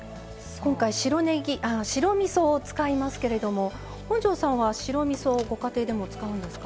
今回、白みそを使いますけれども本上さんは白みそをご家庭でも使うんですか？